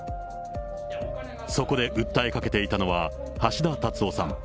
そこで訴えかけていたのは、橋田達夫さん。